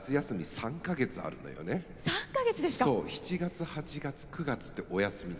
７月８月９月ってお休みなの。